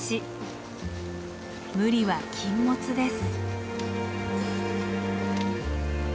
無理は禁物です。